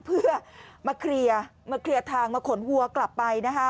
เพื่อมาเคลียร์ทางมาขนหัวกลับไปนะคะ